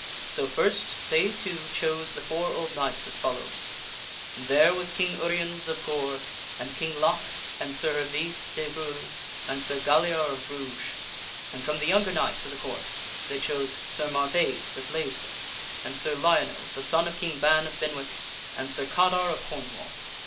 So first they two chose the four King Arthur old knights as follows: There was King Uriens of Gore, and and King Pei King Lac, and Sir Hervise de Reuel, and Sir Galliar of Rouge, eight old and And from the younger knights of the Court they chose Sir % Marvaise of Leisle, and Sir Lionel, the son of King Ban of Table. Benwick, and Sir Cadar of Cornwall.